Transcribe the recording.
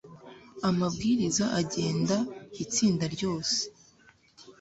amabwiriza agenda itsinda ryose